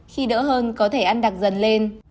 khi đỡ hơn có thể ăn đặc dần lên